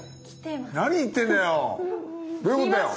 何言ってんだよ！